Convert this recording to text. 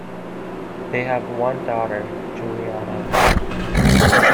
They have one daughter, Juliana.